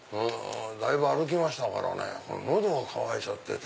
だいぶ歩きましたから喉渇いて。